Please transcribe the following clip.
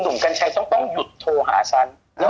หนุ่มกัญชัยต้องต้องหยุดโทรหาฉัน